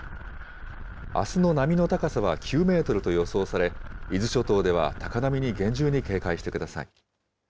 あすの波の高さは９メートルと予想され、伊豆諸島では高波に厳重に警戒してください。